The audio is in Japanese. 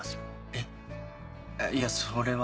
えっいやそれは。